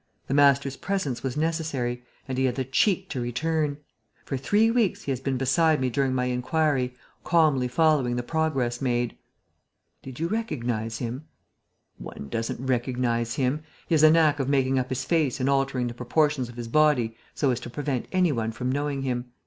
The master's presence was necessary; and he had the cheek to return. For three weeks, he has been beside me during my inquiry, calmly following the progress made." "Did you recognize him?" "One doesn't recognize him. He has a knack of making up his face and altering the proportions of his body so as to prevent any one from knowing him.